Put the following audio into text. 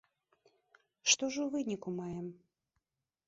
Што ж у выніку маем?